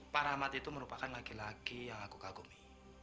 pak rahmat itu merupakan laki laki yang aku kagumi